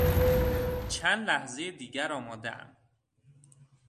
چند لحظهی دیگر آمادهام.